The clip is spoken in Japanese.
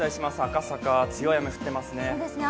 赤坂は強い雨が降ってますね。